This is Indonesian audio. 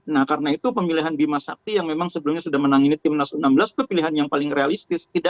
nah karena itu pemilihan bima sakti yang memang sebelumnya sudah menang ini timnas u enam belas itu pilihan yang paling realistis